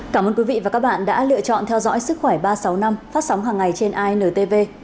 cảm ơn quý vị và các bạn đã lựa chọn theo dõi sức khỏe ba trăm sáu mươi năm phát sóng hàng ngày trên intv